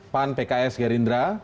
pan pks gerindra